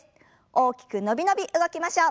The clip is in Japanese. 大きく伸び伸び動きましょう。